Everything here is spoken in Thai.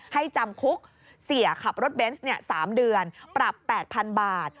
จำคุกเสียขับรถเบนส์๓เดือนปรับ๘๐๐๐บาท